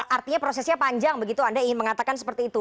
artinya prosesnya panjang begitu anda ingin mengatakan seperti itu